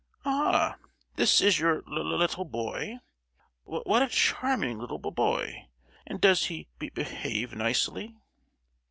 "Ah! this is your l—little boy? Wh—what a charming little b—boy! and does he be—behave nicely?"